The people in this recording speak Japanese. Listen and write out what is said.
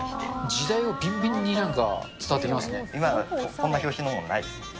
時代をびんびんに、なんか伝今、こんな表紙のものないですよね。